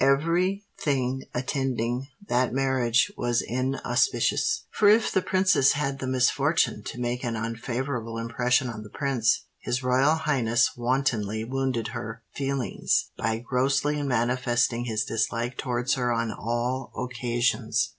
Every thing attending that marriage was inauspicious: for if the Princess had the misfortune to make an unfavourable impression on the Prince, his Royal Highness wantonly wounded her feelings by grossly manifesting his dislike towards her on all occasions.